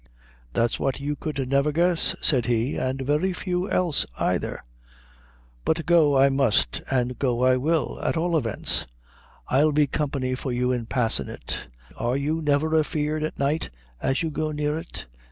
"That's what you could never guess," said he, "and very few else aither; but go I must, an' go I will. At all events, I'll be company for you in passin' it. Are you never afeard at night, as you go near it?"